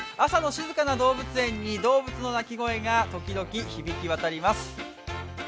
朝の静かな動物園に動物の鳴き声が時々響き渡ります。